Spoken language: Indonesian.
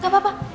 udah gak apa apa